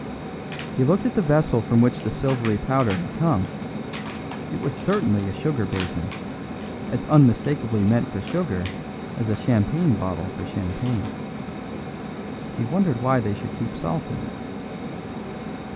He looked at the vessel from which the silvery powder had come; it was certainly a sugar basin; as unmistakably meant for sugar as a champagne bottle for champagne. He wondered why they should keep salt in it.